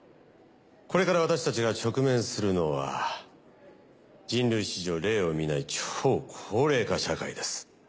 これから私たちが直面するのは人類史上例を見ない超高齢化社会です。